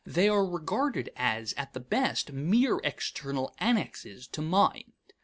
They are regarded as at the best mere external annexes to mind.